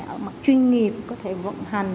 ở mặt chuyên nghiệp có thể vận hành